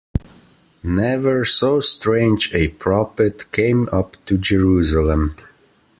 Never so strange a prophet came up to Jerusalem.